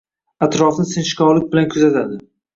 Atrofni sinchkovlik bilan kuzatadi